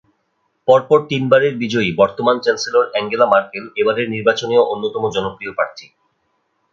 পরপর তিনবারের বিজয়ী বর্তমান চ্যান্সেলর আঙ্গেলা ম্যার্কেল এবারের নির্বাচনেও অন্যতম জনপ্রিয় প্রার্থী।